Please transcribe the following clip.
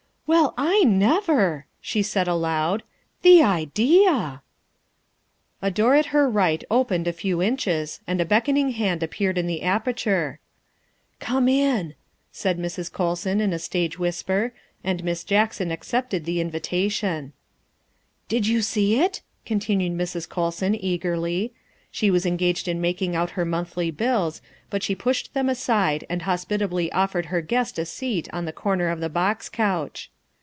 " Well, I never!" she said aloud; " the idea!" A door at her right opened a few inches and a beckon ing hand appeared in the aperture. " Come in," said Mrs. Colson in a stage whisper, and Miss Jackson accepted the invitation. " Did you see it?" continued Mrs. Colson eagerly. THE SECRETARY OF STATE 313 She was engaged in making out her monthly bills, but she pushed them aside and hospitably offered her guest a seat on the corner of the box couch.